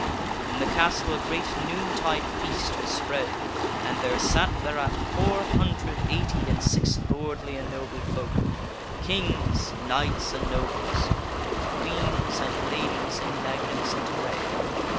In the castle a great noontide feast was spread, and there sat thereat four hundred, eighty and six lordly and noble folk kings, knights, and nobles with queens and ladies in magnificent array.